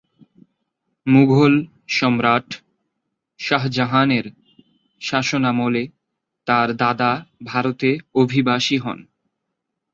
মুঘল সম্রাট শাহজাহানের শাসনামলে তার দাদা ভারতে অভিবাসী হন।